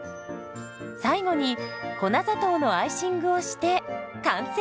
最後に粉砂糖のアイシングをして完成。